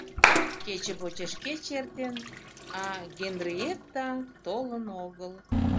Кече почеш кече эртен, а Генриетта толын огыл.